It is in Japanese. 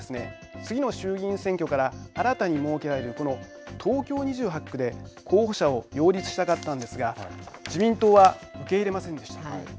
次の衆議院選挙から新たに設けられるこの東京２８区で候補者を擁立したかったんですが自民党は受け入れませんでした。